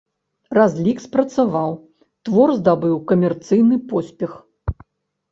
Разлік спрацаваў, твор здабыў камерцыйны поспех.